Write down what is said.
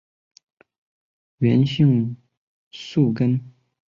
原姓粟根。